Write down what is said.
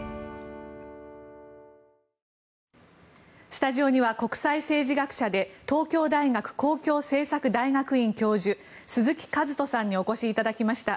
スタジオには国際政治学者で東京大学公共政策大学院教授鈴木一人さんにお越しいただきました。